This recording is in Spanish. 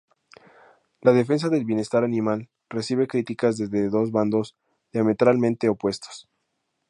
La defensa del bienestar animal recibe críticas desde dos bandos diametralmente opuestos.